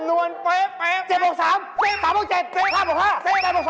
น้องต้องวายนะ